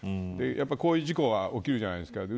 こういう事故が起きるじゃないですか。